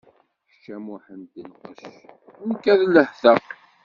Kečč a Muḥend nqec, nekk ad lehteɣ.